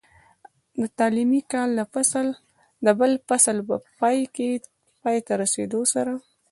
د تعليمي کال د بل فصل په پای ته رسېدو سره،